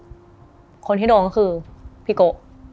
ก็จับตาดูเขาสรุปคนที่โดนก็คือพี่โก